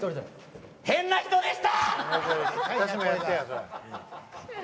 変な人でした！